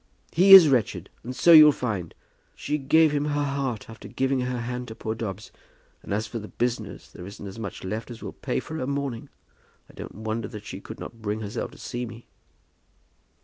"He is wretched, and so you'll find. She gave him her heart after giving her hand to poor Dobbs; and as for the business, there isn't as much left as will pay for her mourning. I don't wonder that she could not bring herself to see me."